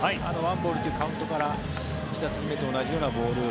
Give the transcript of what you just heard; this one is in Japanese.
１ボールというカウントから１打席目と同じようなボール。